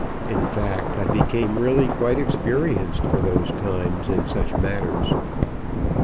In fact, I became really quite experienced for those times in such matters.